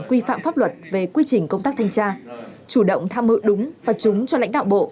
quy phạm pháp luật về quy trình công tác thanh tra chủ động tham mưu đúng và chúng cho lãnh đạo bộ